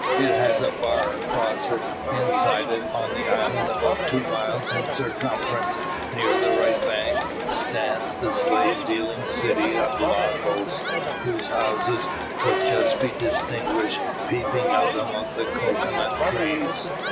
It has a bar across it. Inside it, on an island about two miles in circumference, near the right bank, stands the slave dealing city of Lagos, whose houses could just be distinguished peeping out among the cocoa nut trees.